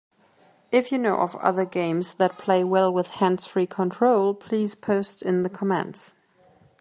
If you know of other games that play well with hands-free control, please post in the comments.